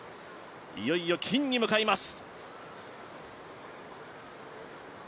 いよいよ金に向かいます。